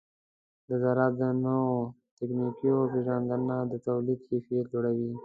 د زراعت د نوو تخنیکونو پیژندنه د تولید کیفیت لوړوي.